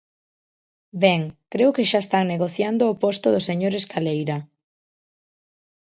Ben, creo que xa están negociando o posto do señor Escaleira.